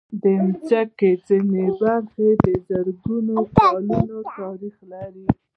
د مځکې ځینې برخې د زرګونو کلونو تاریخ لري.